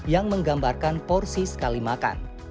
yang menggambarkan porsi sekali makan